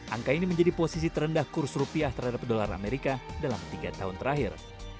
angka ini menjadi posisi terendah kurs rupiah terhadap dolar amerika dalam tiga tahun terakhir